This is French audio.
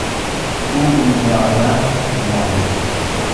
Où il n’y a rien, il n’y a rien.